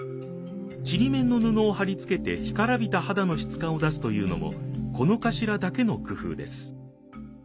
縮緬の布を貼り付けて干からびた肌の質感を出すというのもこの頭だけの工夫です。